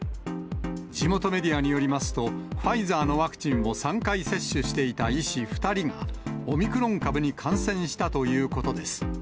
地元メディアによりますと、ファイザーのワクチンを３回接種していた医師２人が、オミクロン株に感染したということです。